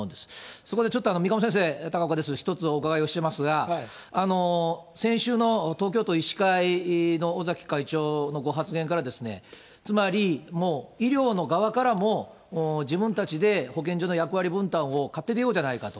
そこでちょっと三鴨先生、高岡です、１つお伺いをしますが、先週の東京都医師会の尾崎会長のご発言からつまり、もう医療の側からも、自分たちで保健所の役割分担を買って出ようじゃないかと。